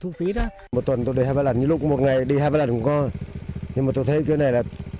thu phí đó một tuần tôi đi hai lần lúc một ngày đi hai lần cũng có nhưng mà tôi thấy cái này là